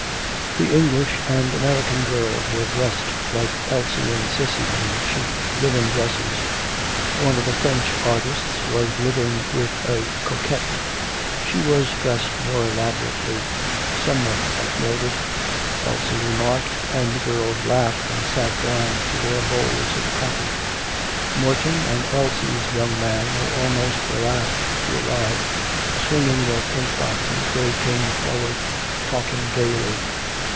The English and American girls were dressed like Elsie and Cissy in cheap linen dresses; one of the French artists was living with a cocotte. She was dressed more elaborately; somewhat like Mildred, Elsie remarked, and the girls laughed, and sat down to their bowls of coffee. Morton and Elsie's young man were almost the last to arrive. Swinging their paint boxes they came forward talking gaily.